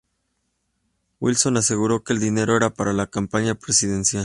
Wilson aseguró que el dinero era para la campaña presidencial.